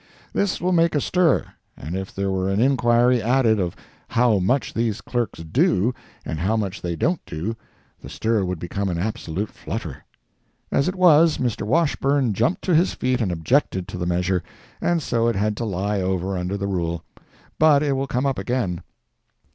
This will make a stir; and if there were an inquiry added of how much these clerks do, and how much they don't do, the stir would become an absolute flutter. As it was, Mr. Washburne jumped to his feet and objected to the measure, and so it had to lie over under the rule. But it will come up again.